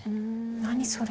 何それ？